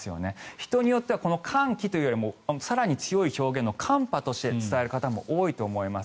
人によっては寒気というより更に強い寒波として伝える方も多いと思います。